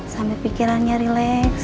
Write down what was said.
sambil pikirannya relax